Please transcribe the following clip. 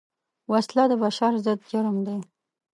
وسله د بشر ضد جرم ده